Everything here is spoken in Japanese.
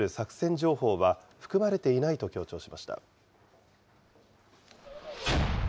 情報は含まれていないと強調しました。